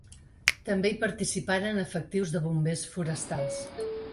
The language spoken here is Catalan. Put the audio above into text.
També hi participaren efectius de bombers forestals.